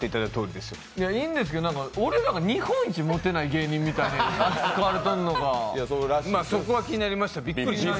別にいいんですけど俺らが日本一モテない芸人みたいにいわれてたのがそこは気になりました。